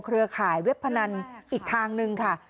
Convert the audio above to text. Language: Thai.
เครือข่ายเว็บพนันอีกทางนึงค่ะ